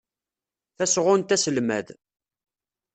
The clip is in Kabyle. Tasɣunt Aselmad.